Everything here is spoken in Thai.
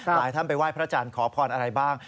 หลายท่านไปไหว้พระจันทร์ขอพรอะไรบ้าง